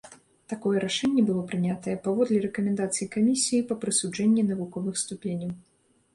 Такое рашэнне было прынятае паводле рэкамендацыі камісіі па прысуджэнні навуковых ступеняў.